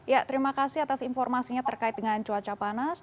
ya terima kasih atas informasinya terkait dengan cuaca panas